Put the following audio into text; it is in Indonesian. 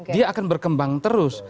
dia akan berkembang terus